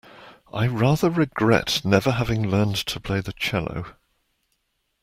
I rather regret never having learned to play the cello.